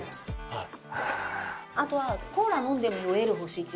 はい。